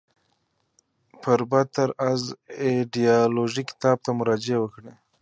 فربه تر از ایدیالوژی کتاب ته مراجعه وکړئ.